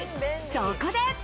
そこで。